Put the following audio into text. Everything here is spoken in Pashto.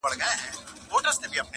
هغه ستا د ابا مېنه تالا سوې،